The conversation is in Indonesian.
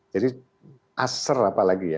jadi aser apa lagi ya